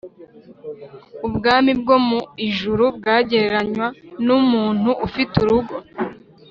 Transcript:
”“Ubwami bwo mu ijuru bwagereranywa n’umuntu ufite urugo,